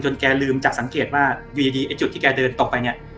แกลืมจากสังเกตว่าอยู่ดีไอ้จุดที่แกเดินต่อไปเนี่ย